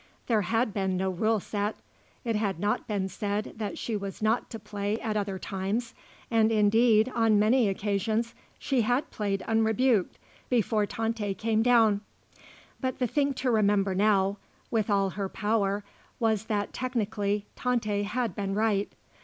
There had been no rule set; it had not been said that she was not to play at other times and indeed, on many occasions, she had played unrebuked, before Tante came down. But the thing to remember now, with all her power, was that, technically, Tante had been right.